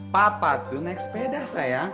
papa tuh naik sepeda saya